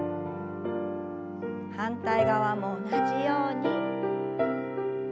反対側も同じように。